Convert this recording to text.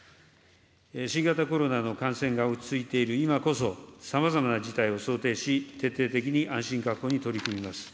新型コロナの感染が落ち着いている今こそ、さまざまな事態を想定し、徹底的に安心確保に取り組みます。